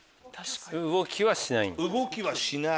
動きはしない。